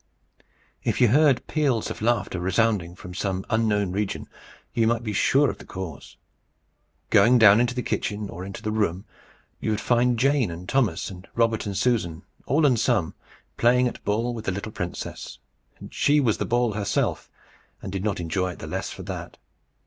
If you heard peals of laughter resounding from some unknown region, you might be sure enough of the cause. Going down into the kitchen, or the room, you would find Jane and Thomas, and Robert and Susan, all and sum, playing at ball with the little princess. She was the ball herself, and did not enjoy it the less for that.